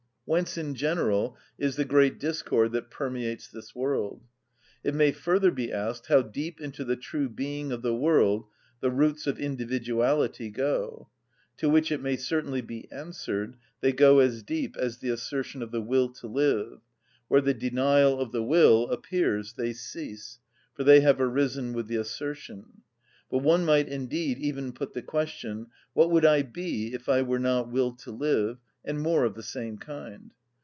Whence in general is the great discord that permeates this world? It may, further, be asked how deep into the true being of the world the roots of individuality go; to which it may certainly be answered: they go as deep as the assertion of the will to live; where the denial of the will appears they cease, for they have arisen with the assertion. But one might indeed even put the question, "What would I be if I were not will to live?" and more of the same kind.